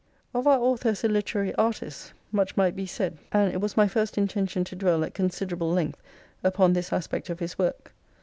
Of our author as a literary artist much might be said ; and it was my first intention to dwell at considerable length upon this aspect of his work.